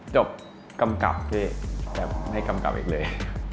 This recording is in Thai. กำกับพี่แต่ไม่กำกับอีกเลย